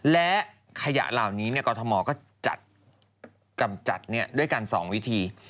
และขยะเหล่านี้กรทมก็จัดกำจัดด้วยกัน๒วิธี